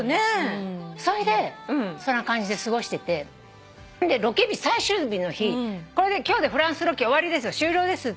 それでそんな感じで過ごしててロケ日最終日の日今日でフランスロケ終了ですって